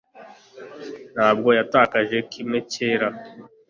Ntabwo yatakaje kimwe cyera